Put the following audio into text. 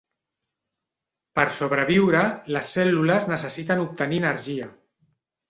Per sobreviure, les cèl·lules necessiten obtenir energia.